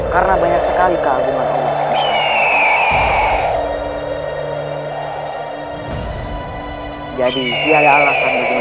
karena banyak sekali keagungan allah swt